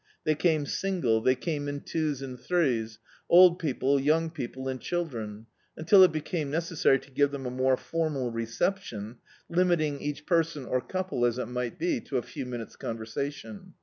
They came single, they came in Dictzed by Google Hospitality twos and threes; old people, young people and chil dren; until it became necessary to give them a more formal reception, limiting eadi person or couple, as it mi^t be, to a few minutes' crniversation.